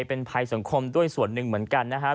เป็นภัยสังคมด้วยส่วนหนึ่งเหมือนกันนะครับ